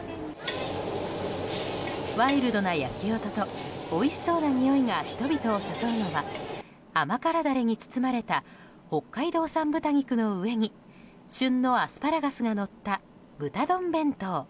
ワイルドな焼き音とおいしそうなにおいが人々を誘うのは甘辛ダレに包まれた北海道産豚肉の上に旬のアスパラガスがのった豚丼弁当。